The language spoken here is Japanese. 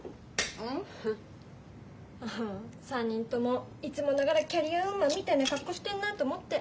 ううん３人ともいつもながらキャリアウーマンみたいな格好してんなあと思って。